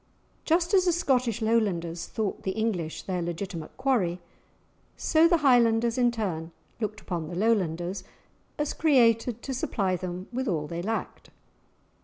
Just as the Scottish Lowlanders thought the English their legitimate quarry, so the Highlanders in turn looked upon the Lowlanders as created to supply them with all they lacked.